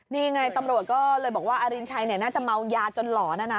นี่ไงตำรวจก็เลยบอกว่าอรินชัยน่าจะเมายาจนหลอนนะนะ